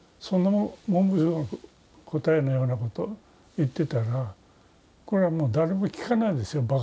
その文部省の答えのようなことを言ってたらこれはもう誰も聞かないですよ